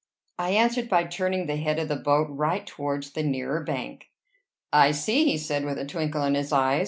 I answered by turning the head of the boat right towards the nearer bank. "I see!" he said, with a twinkle in his eyes.